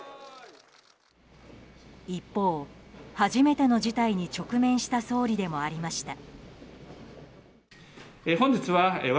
一方、初めての事態に直面した総理でもありました。